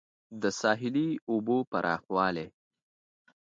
د ساحلي اوبو پراخوالی